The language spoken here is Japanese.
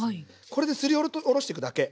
これですりおろしていくだけ。